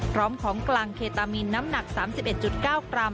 พร้อมของกลางเคตามีนน้ำหนัก๓๑๙กรัม